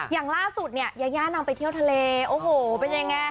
อย่างล่าสุดเนี่ยยาย่านางไปเที่ยวทะเลโอ้โหเป็นยังไง